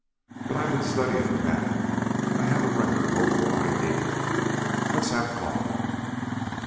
But I've been studying the map, and I have a rather hopeful idea. Let's have coffee."